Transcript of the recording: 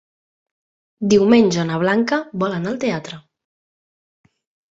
Diumenge na Blanca vol anar al teatre.